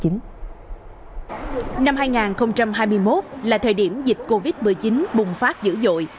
năm hai nghìn hai mươi một là thời điểm dịch covid một mươi chín bùng phát dữ dội